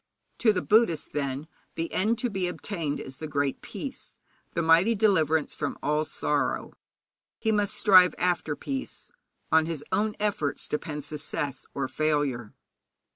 To the Buddhist, then, the end to be obtained is the Great Peace, the mighty deliverance from all sorrow. He must strive after peace; on his own efforts depends success or failure.